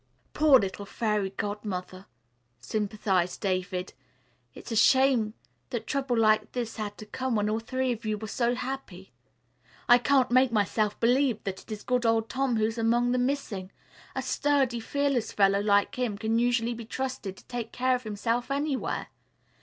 "Poor little Fairy Godmother!" sympathized David. "It's a shame that trouble like this had to come when all three of you were so happy. I can't make myself believe that it is good old Tom who's among the missing. A sturdy, fearless fellow like him can usually be trusted to take care of himself anywhere.